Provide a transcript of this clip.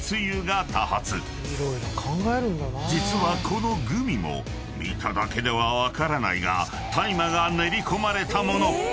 ［実はこのグミも見ただけでは分からないが大麻が練り込まれた物］